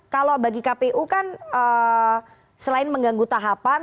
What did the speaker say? kalau bagi kpu kan selain mengganggu tahapan